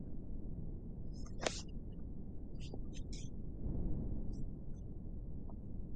They do not use wind or string instruments.